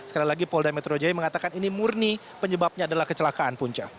sekali lagi polda metro jaya mengatakan ini murni penyebabnya adalah kecelakaan punca